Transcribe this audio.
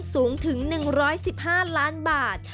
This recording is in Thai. สูงถึง๑๑๕ล้านบาท